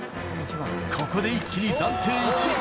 ここで一気に暫定１位。